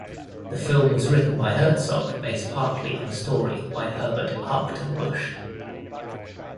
The film was written by Herzog, based partly on a story by Herbert Achternbusch.